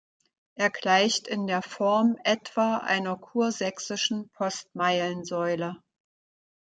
Er gleicht in der Form etwa einer Kursächsischen Postmeilensäule.